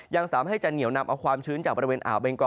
ยังสามารถให้จะเหนียวนำเอาความชื้นจากบริเวณอ่าวเบงกอ